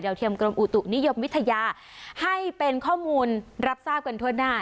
เทียมกรมอุตุนิยมวิทยาให้เป็นข้อมูลรับทราบกันทั่วหน้า